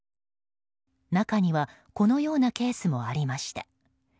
中にはこのようなケースもありました。